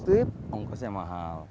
kalau tidak produktif ongkosnya mahal